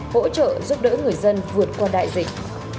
hỗ trợ giúp đỡ người dân vượt qua đại dịch